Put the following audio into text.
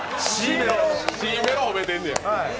Ｃメロ褒めてんねんや。